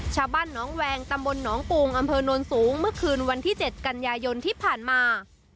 ชาวบ้านน้องแวงตำบลหนองปูงอำเภอโน้นสูงเมื่อคืนวันที่๗กันยายนที่ผ่านมา